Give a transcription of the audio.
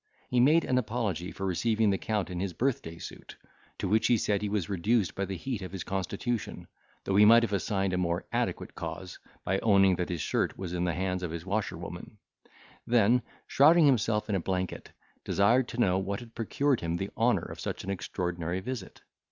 He made an apology for receiving the Count in his birthday suit, to which he said he was reduced by the heat of his constitution, though he might have assigned a more adequate cause, by owning that his shirt was in the hands of his washerwoman; then shrouding himself in a blanket, desired to know what had procured him the honour of such an extraordinary visit.